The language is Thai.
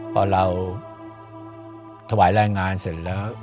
พอเราถวายแรงงานเสร็จแล้ว